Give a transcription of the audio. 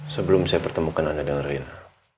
sebelum saya pertemukan anda dengan rina